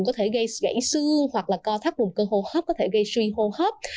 có thể gây gãy xương hoặc là co thắt vùng cơ hô hấp có thể gây suy hô hấp